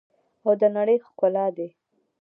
او د نړۍ ښکلا دي.